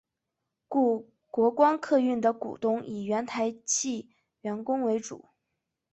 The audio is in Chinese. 故国光客运的股东以原台汽员工为主。